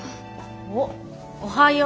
おっおはよう。